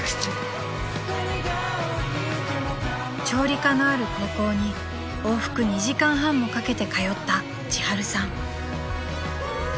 ［調理科のある高校に往復２時間半もかけて通った千春さん］